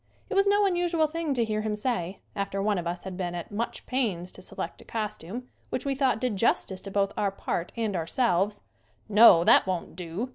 It was no un usual thing to hear him say, after one of us had been at much pains to select a costume which we thought did justice to both our part and ourselves, "No, that won't do!"